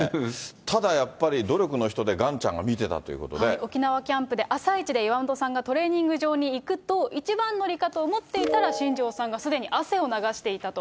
ただやっぱり、努力の人で、沖縄キャンプで、朝一で岩本さんがトレーニング場に行くと、一番乗りかと思っていたら新庄さんがすでに汗を流していたと。